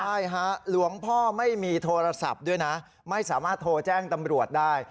ใช่ฮะหลวงพ่อไม่มีโทรศัพท์ด้วยนะไม่สามารถโทรแจ้งตำรวจได้